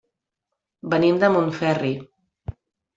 Venim de Montferri.